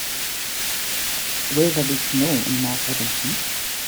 Will there be snow in North Abington